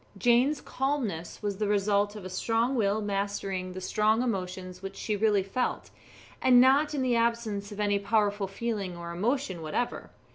Jane's calmness was the result of a strong will mastering the strong emotions which she really felt, and not in the absence of any powerful feeling or emotion whatever.